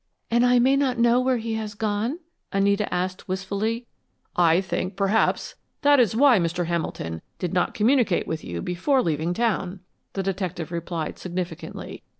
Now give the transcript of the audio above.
"And I may not know where he has gone?" Anita asked, wistfully. "I think, perhaps, that is why Mr. Hamilton did not communicate with you before leaving town," the detective replied, significantly.